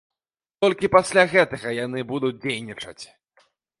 Толькі пасля гэтага яны будуць дзейнічаць!